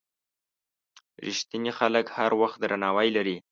رښتیني خلک هر وخت درناوی لري.